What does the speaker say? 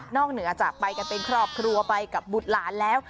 เหนือจากไปกันเป็นครอบครัวไปกับบุตรหลานแล้ว